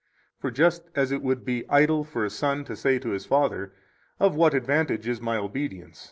For just as it would be idle for a son to say to his father, "Of what advantage is my obedience?